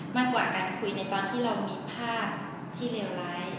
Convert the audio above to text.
มากกว่าการคุยในตอนที่เรามีภาพที่เลวร้าย